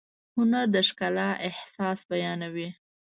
هنر د ښکلا احساس بیانوي.